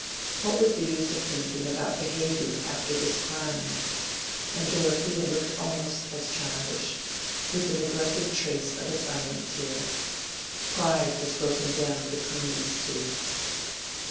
What was the use of thinking about behavior after this crying? And Dorothea looked almost as childish, with the neglected trace of a silent tear. Pride was broken down between these two.